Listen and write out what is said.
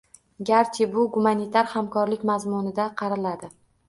Garchi bu gumanitar hamkorlik mazmunida qaraladi